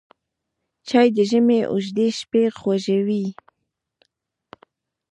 چای د ژمي اوږدې شپې خوږوي